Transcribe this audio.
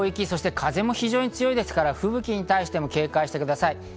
そして風も非常に強いですから吹雪に対しても警戒してください。